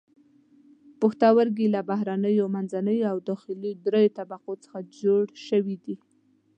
پښتورګي له بهرنیو، منځنیو او داخلي دریو طبقو څخه جوړ شوي دي.